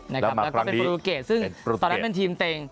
แล้วก็เป็นโปรตูเกตซึ่งตอนนั้นเป็นทีมเต็ง